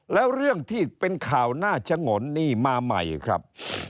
แล้วเรื่องที่เป็นข่าวน่าชะงนนี่มาใหม่ครับ